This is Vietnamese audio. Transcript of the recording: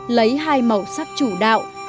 lấy hai màu sắc chủ đạo là tràm và đen để trang trí